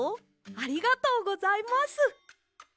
ありがとうございます。